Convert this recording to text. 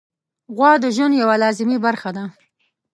غوا د ژوند یوه لازمي برخه ده.